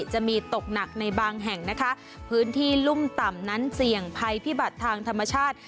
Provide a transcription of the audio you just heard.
จะมีตกหนักในบางแห่งนะคะพื้นที่รุ่มต่ำนั้นเสี่ยงภัยพิบัติทางธรรมชาติ